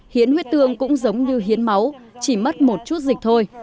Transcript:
hiến huyết tương cũng giống như hiến máu chỉ mất một chút dịch thôi